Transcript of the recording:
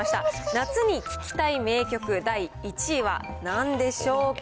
夏に聴きたい名曲第１位はなんでしょうか？